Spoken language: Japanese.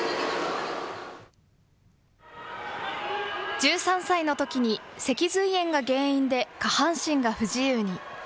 １３歳のときに、脊髄炎が原因で下半身が不自由に。